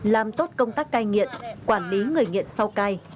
làm tốt công tác cai nghiện quản lý người nghiện sau cai